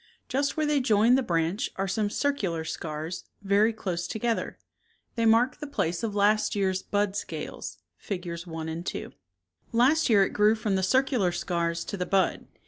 Just where they join the branch are some circular scars, very close together. They mark the place of last year's bud scales (Figures I and 2). Last year it grew from the cir cular scars to the bud.